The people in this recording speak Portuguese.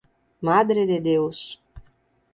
Madre de Deus